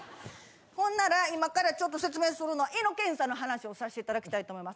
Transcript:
ほんなら今からちょっと説明するのは胃の検査の話をさせていただきたいと思います。